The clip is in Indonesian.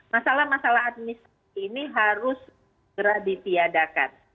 masalah masalah administrasi ini harus segera ditiadakan